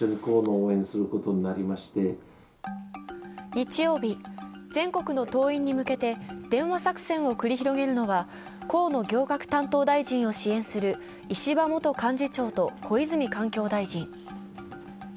日曜日、全国の党員に向けて電話作戦を繰り広げるのは、河野行革大臣を支援する石破元幹事長と小泉環境大臣。